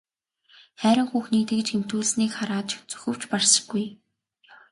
Хайран хүүхнийг тэгж гэмтүүлснийг харааж зүхэвч баршгүй.